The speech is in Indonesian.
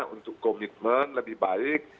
untuk komitmen lebih baik